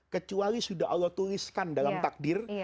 kecuali sudah allah tuliskan dalam takdir